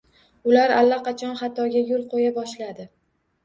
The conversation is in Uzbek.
Ular allaqachon xatoga yo‘l qo‘ya boshladi